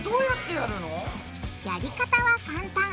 やり方は簡単。